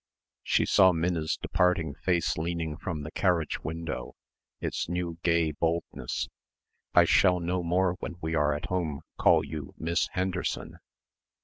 She saw Minna's departing face leaning from the carriage window, its new gay boldness: "I shall no more when we are at home call you Miss Henderson."